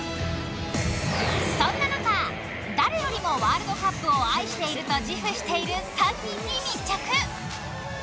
そんな中、誰よりもワールドカップを愛していると自負している３人に密着。